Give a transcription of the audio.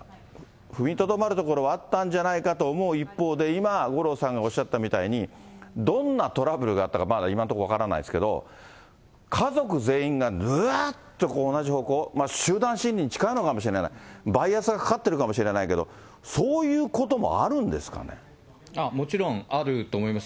踏みとどまるところはあったんじゃないかと思う一方で、今、五郎さんがおっしゃったみたいに、どんなトラブルがあったのか、まだ今のところ分からないですけど、家族全員がぬわーっとこう、同じ方向、集団心理に近いのかもしれない、バイアスがかかってるかもしれないけど、そういうこともあるんでもちろんあると思います。